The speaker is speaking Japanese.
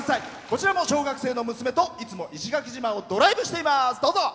こちらも小学生の娘と、いつも石垣島をドライブしています。